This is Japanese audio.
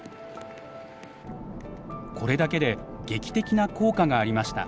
これだけで劇的な効果がありました。